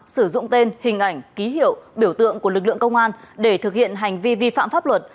sử dụng tên hình ảnh ký hiệu biểu tượng của lực lượng công an để thực hiện hành vi vi phạm pháp luật